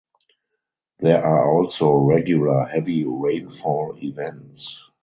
There are also regular heavy rainfall events.